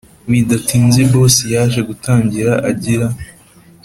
bidatinze boss yaje gutangira agira